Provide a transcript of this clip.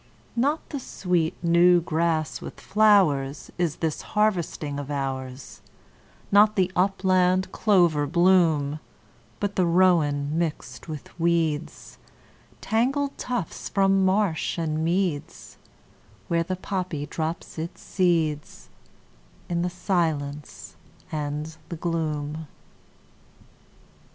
Not the sweet, new grass with flowers Is this harvesting of ours; Not the upland clover bloom; But the rowen mired with weeds, Tangled tufts from marsh and meads, Where the poppy drops its seeds In the silence and the gloom.